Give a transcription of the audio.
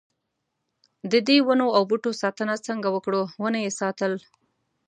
ددې ونو او بوټو ساتنه څنګه وکړو ونه یې ساتل.